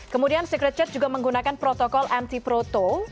kemudian secret chat juga menggunakan protokol anti proto